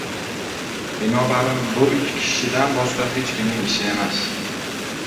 binobarin, bu ikki kishidan boshqa hech kimning ishi emas.